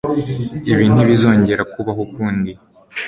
Ibi ntibizongera kubaho ukundi